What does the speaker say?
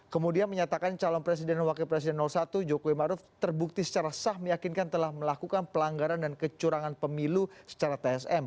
kemudian menyatakan calon presiden dan wakil presiden satu jokowi maruf terbukti secara sah meyakinkan telah melakukan pelanggaran dan kecurangan pemilu secara tsm